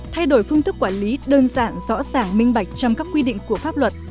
thay đổi phương thức quản lý đơn giản rõ ràng minh bạch trong các quy định của pháp luật